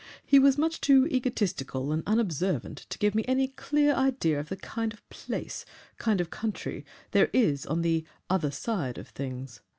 He was much too egotistical and unobservant to give me any clear idea of the kind of place, kind of country, there is on the Other Side of Things.